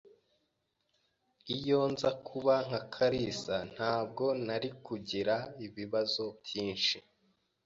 Iyo nza kuba nka kalisa, ntabwo nari kugira ibibazo byinshi.